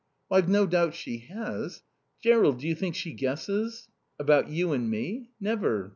"I've no doubt she has. Jerrold do you think she guesses?" "About you and me? Never.